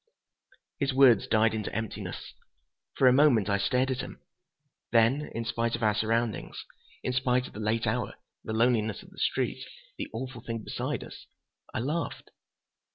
His words died into emptiness. For a moment I stared at him. Then, in spite of our surroundings, in spite of the late hour, the loneliness of the street, the awful thing beside us, I laughed.